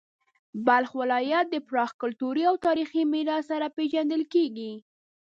بلخ ولایت د پراخ کلتوري او تاریخي میراث سره پیژندل کیږي.